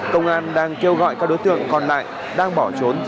công an đang kêu gọi các đối tượng còn lại đang bỏ trốn